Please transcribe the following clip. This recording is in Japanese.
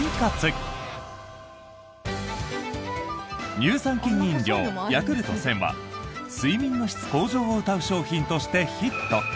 乳酸菌飲料、ヤクルト１０００は睡眠の質向上をうたう商品としてヒット。